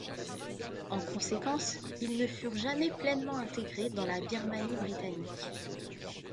En conséquence, ils ne furent jamais pleinement intégrés dans la Birmanie britannique.